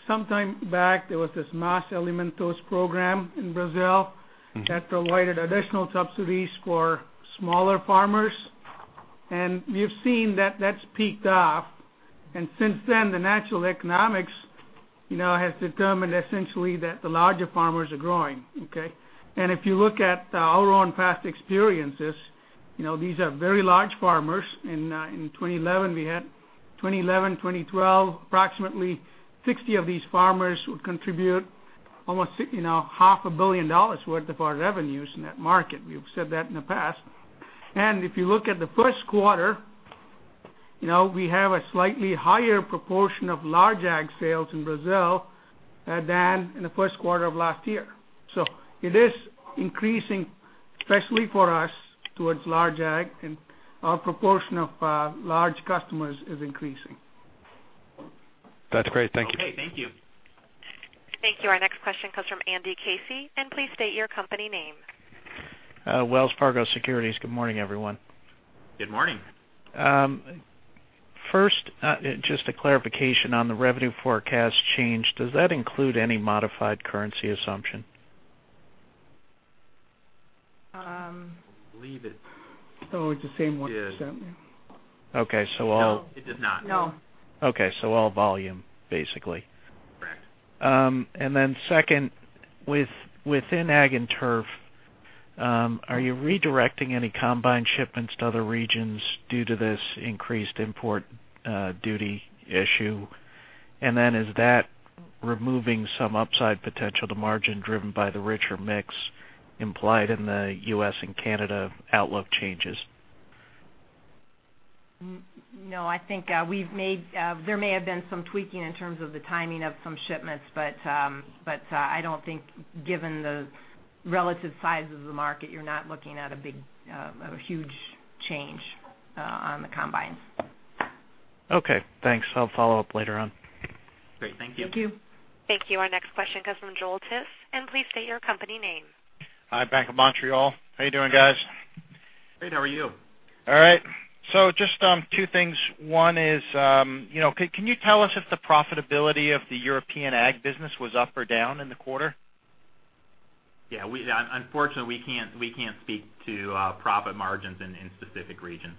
sometime back, there was this Mais Alimentos program in Brazil that provided additional subsidies for smaller farmers. We've seen that that's peaked off, since then, the natural economics has determined essentially that the larger farmers are growing, okay? If you look at our own past experiences- These are very large farmers. In 2011, 2012, approximately 60 of these farmers would contribute almost half a billion dollars worth of our revenues in that market. We have said that in the past. If you look at the first quarter, we have a slightly higher proportion of large Ag sales in Brazil than in the first quarter of last year. It is increasing, especially for us, towards large Ag, and our proportion of large customers is increasing. That's great. Thank you. Okay, thank you. Thank you. Our next question comes from Andrew Casey, please state your company name. Wells Fargo Securities. Good morning, everyone. Good morning. First, just a clarification on the revenue forecast change. Does that include any modified currency assumption? I believe it- No, it's the same one Okay. No, it does not. No. Okay, all volume, basically. Correct. Second, within Ag and Turf, are you redirecting any combine shipments to other regions due to this increased import duty issue? Is that removing some upside potential to margin driven by the richer mix implied in the U.S. and Canada outlook changes? I think there may have been some tweaking in terms of the timing of some shipments, but I don't think given the relative size of the market, you're not looking at a huge change on the Combines. Okay, thanks. I'll follow up later on. Great. Thank you. Thank you. Thank you. Our next question comes from Joel Tiss. Please state your company name. Hi, Bank of Montreal. How you doing, guys? Great, how are you? All right. Just two things. One is, can you tell us if the profitability of the European ag business was up or down in the quarter? Yeah, unfortunately, we can't speak to profit margins in specific regions.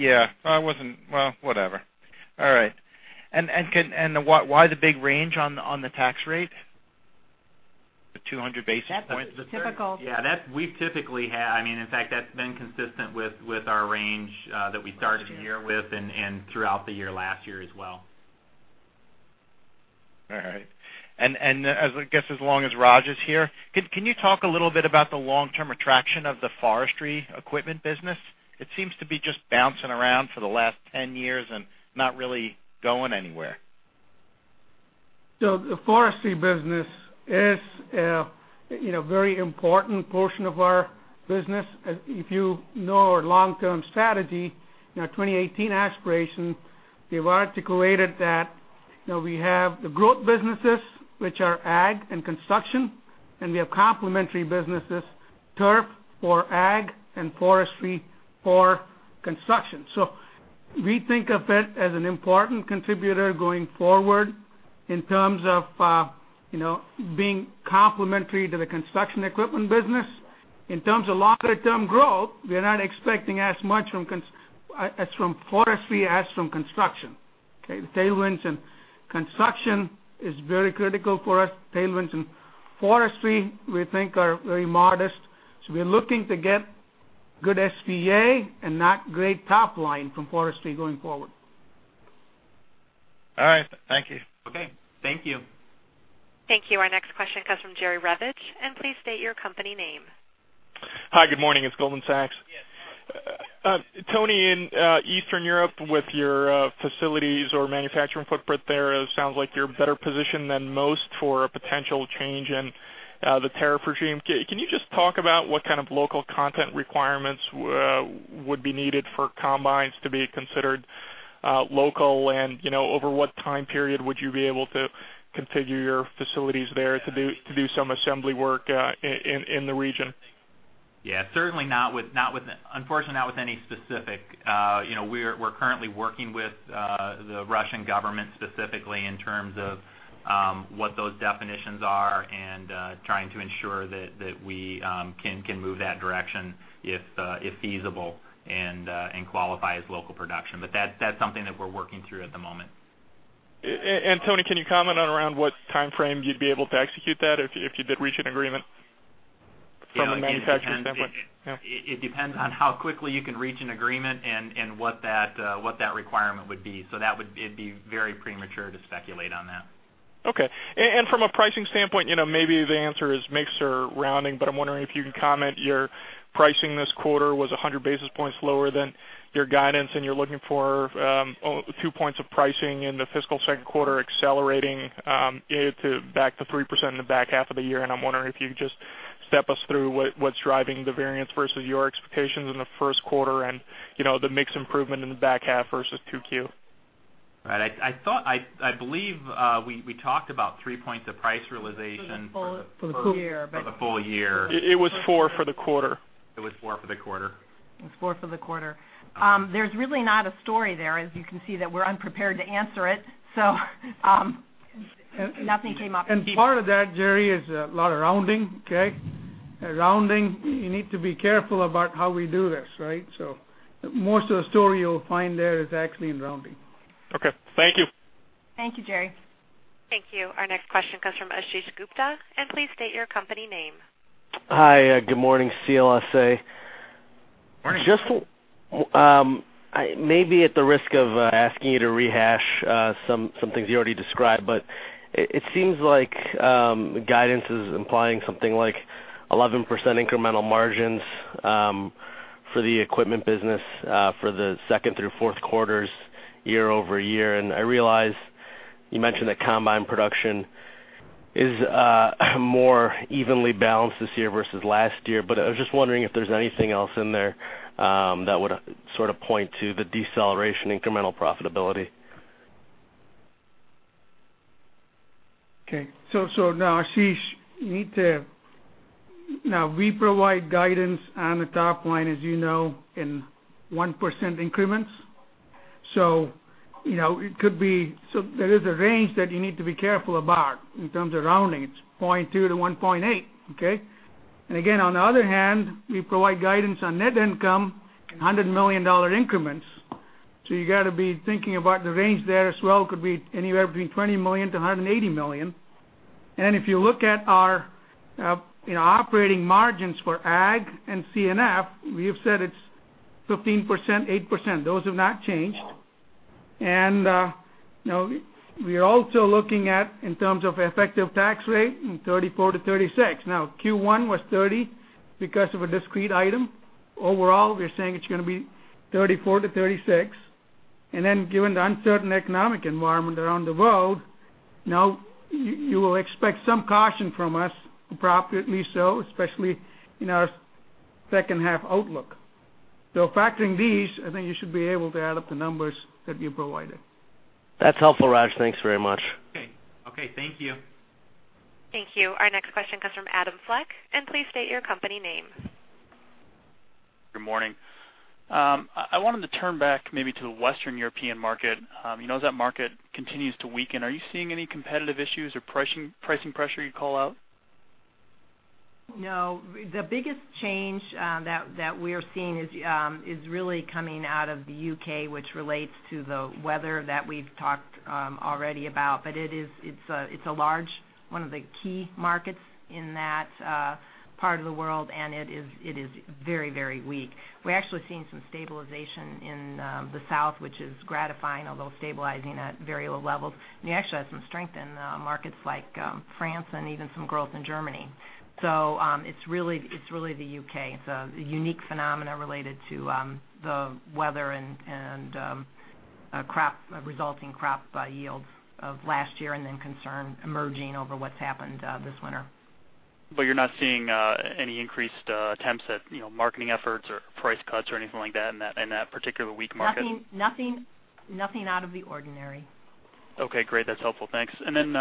Yeah. Well, whatever. All right. Why the big range on the tax rate? The 200 basis points? That's difficult. Yeah, we've typically had, in fact, that's been consistent with our range that we started. Last year the year with and throughout the year last year as well. All right. I guess as long as Raj is here, can you talk a little bit about the long-term attraction of the forestry equipment business? It seems to be just bouncing around for the last 10 years and not really going anywhere. The forestry business is a very important portion of our business. If you know our long-term strategy, in our 2018 aspiration, we've articulated that we have the growth businesses, which are ag and construction, and we have complementary businesses, turf for ag and forestry for construction. We think of it as an important contributor going forward in terms of being complementary to the construction equipment business. In terms of longer-term growth, we're not expecting as much from forestry as from construction. Okay? The tailwinds in construction is very critical for us. Tailwinds in forestry, we think, are very modest. We're looking to get good SVA and not great top line from forestry going forward. All right. Thank you. Okay. Thank you. Thank you. Our next question comes from Jerry Revich. Please state your company name. Hi, good morning. It's Goldman Sachs. Tony, in Eastern Europe with your facilities or manufacturing footprint there, it sounds like you're better positioned than most for a potential change in the tariff regime. Can you just talk about what kind of local content requirements would be needed for combines to be considered local? Over what time period would you be able to configure your facilities there to do some assembly work in the region? Yeah. Unfortunately, not with any specific. We're currently working with the Russian government specifically in terms of what those definitions are and trying to ensure that we can move that direction if feasible and qualify as local production. That's something that we're working through at the moment. Tony, can you comment on around what timeframe you'd be able to execute that if you did reach an agreement from a manufacturer standpoint? Yeah. It depends on how quickly you can reach an agreement and what that requirement would be. It'd be very premature to speculate on that. Okay. From a pricing standpoint, maybe the answer is mix or rounding, but I'm wondering if you can comment, your pricing this quarter was 100 basis points lower than your guidance, and you're looking for two points of pricing in the fiscal second quarter accelerating it back to 3% in the back half of the year, and I'm wondering if you could just step us through what's driving the variance versus your expectations in the first quarter and the mix improvement in the back half versus 2Q. Right. I believe we talked about three points of price realization. For the full year For the full year. It was four for the quarter. It was four for the quarter. It was four for the quarter. There's really not a story there, as you can see, that we're unprepared to answer it. Nothing came up. Part of that, Jerry, is a lot of rounding, okay? Rounding, you need to be careful about how we do this, right? Most of the story you'll find there is actually in rounding. Okay. Thank you. Thank you, Jerry. Thank you. Our next question comes from Ashish Gupta, please state your company name. Hi, good morning. CLSA. Morning. Just maybe at the risk of asking you to rehash some things you already described, but it seems like guidance is implying something like 11% incremental margins for the equipment business for the second through fourth quarters year-over-year. I realize you mentioned that combine production is more evenly balanced this year versus last year, but I was just wondering if there's anything else in there that would sort of point to the deceleration incremental profitability. Now Ashish, we provide guidance on the top line, as you know, in 1% increments. There is a range that you need to be careful about in terms of rounding. It's 0.2%-1.8%. Okay. Again, on the other hand, we provide guidance on net income in $100 million increments. You got to be thinking about the range there as well. Could be anywhere between $20 million-$180 million. If you look at our operating margins for Ag and C&F, we have said it's 15%, 8%. Those have not changed. We are also looking at, in terms of effective tax rate, in 34%-36%. Q1 was 30% because of a discrete item. Overall, we're saying it's going to be 34%-36%. Given the uncertain economic environment around the world, now you will expect some caution from us, appropriately so, especially in our second half outlook. Factoring these, I think you should be able to add up the numbers that we provided. That's helpful, Raj. Thanks very much. Okay. Thank you. Thank you. Our next question comes from Adam Fleck. Please state your company name. Good morning. I wanted to turn back maybe to the Western European market. As that market continues to weaken, are you seeing any competitive issues or pricing pressure you'd call out? No. The biggest change that we're seeing is really coming out of the U.K., which relates to the weather that we've talked already about. It's a large, one of the key markets in that part of the world, and it is very weak. We're actually seeing some stabilization in the south, which is gratifying, although stabilizing at very low levels. We actually have some strength in markets like France and even some growth in Germany. It's really the U.K. It's a unique phenomena related to the weather and resulting crop yields of last year and then concern emerging over what's happened this winter. You're not seeing any increased attempts at marketing efforts or price cuts or anything like that in that particular weak market? Nothing out of the ordinary. Okay, great. That's helpful. Thanks. Then,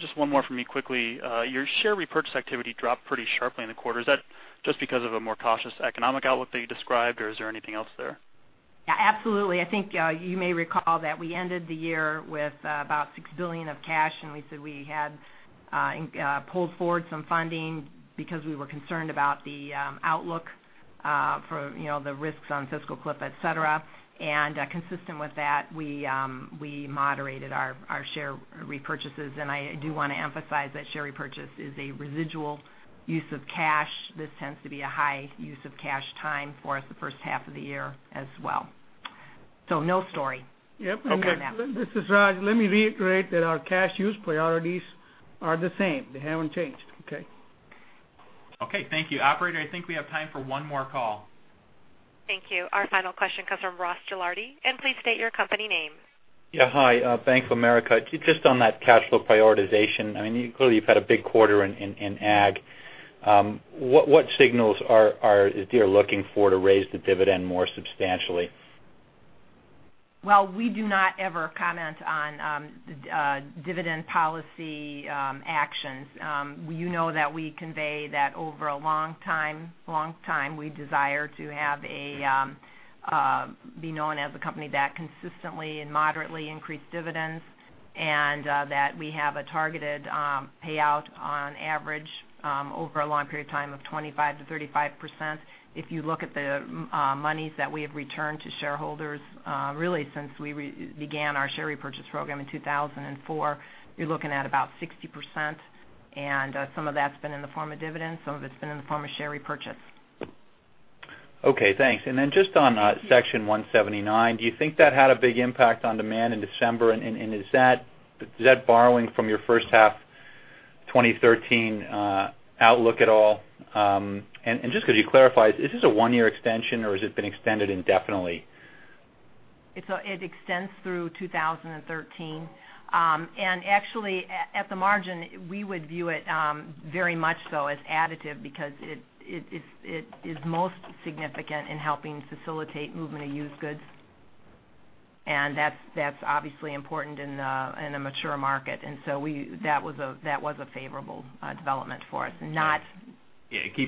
just one more from me quickly. Your share repurchase activity dropped pretty sharply in the quarter. Is that just because of a more cautious economic outlook that you described, or is there anything else there? Yeah, absolutely. I think you may recall that we ended the year with about $6 billion of cash, we said we had pulled forward some funding because we were concerned about the outlook for the risks on fiscal cliff, et cetera. Consistent with that, we moderated our share repurchases. I do want to emphasize that share repurchase is a residual use of cash. This tends to be a high use of cash time for us the first half of the year as well. No story on that. Yep. This is Raj. Let me reiterate that our cash use priorities are the same. They haven't changed. Okay? Okay, thank you. Operator, I think we have time for one more call. Thank you. Our final question comes from Ross Gilardi. Please state your company name. Yeah. Hi, Bank of America. Just on that cash flow prioritization, clearly you've had a big quarter in Ag. What signals is Deere looking for to raise the dividend more substantially? Well, we do not ever comment on dividend policy actions. You know that we convey that over a long time, we desire to be known as a company that consistently and moderately increased dividends, that we have a targeted payout on average over a long period of time of 25%-35%. If you look at the monies that we have returned to shareholders, really since we began our share repurchase program in 2004, you're looking at about 60%. Some of that's been in the form of dividends, some of it's been in the form of share repurchase. Okay, thanks. Then just on Section 179, do you think that had a big impact on demand in December? Is that borrowing from your first half 2013 outlook at all? Just could you clarify, is this a one-year extension, or has it been extended indefinitely? It extends through 2013. Actually, at the margin, we would view it very much so as additive because it is most significant in helping facilitate movement of used goods, and that's obviously important in a mature market. So that was a favorable development for us. Yeah.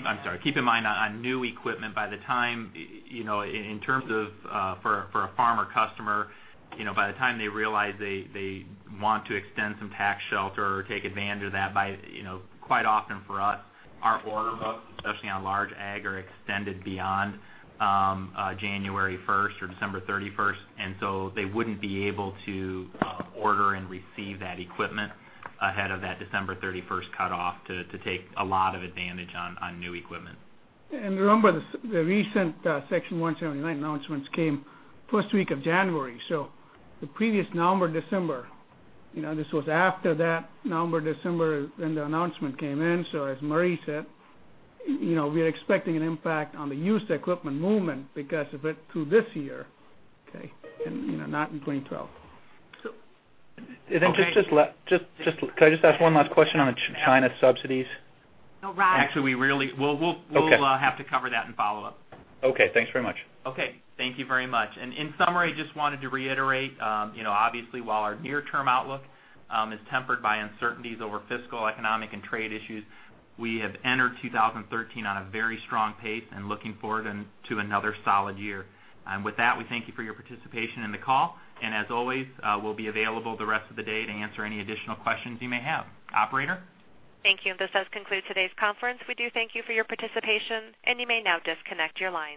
I'm sorry. Keep in mind on new equipment, in terms of for a farmer customer, by the time they realize they want to extend some tax shelter or take advantage of that, quite often for us, our order book, especially on large Ag, are extended beyond January 1st or December 31st. So they wouldn't be able to order and receive that equipment ahead of that December 31st cutoff to take a lot of advantage on new equipment. Remember, the recent Section 179 announcements came first week of January. The previous November, December, this was after that November, December, then the announcement came in. As Marie said, we are expecting an impact on the used equipment movement because of it through this year, okay? Not in 2012. Then could I just ask one last question on the China subsidies? Oh, Raj. Actually, we'll have to cover that in follow-up. Okay. Thanks very much. Okay. Thank you very much. In summary, just wanted to reiterate, obviously while our near-term outlook is tempered by uncertainties over fiscal, economic, and trade issues, we have entered 2013 on a very strong pace and looking forward to another solid year. With that, we thank you for your participation in the call, and as always, we'll be available the rest of the day to answer any additional questions you may have. Operator? Thank you. This does conclude today's conference. We do thank you for your participation, and you may now disconnect your lines.